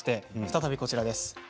再びこちらです。